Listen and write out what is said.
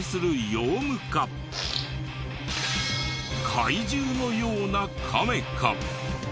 怪獣のようなカメか？